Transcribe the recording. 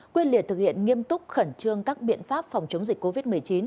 quyết liệt thực hiện nghiêm túc khẩn trương các biện pháp phòng chống dịch covid một mươi chín